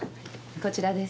こちらです。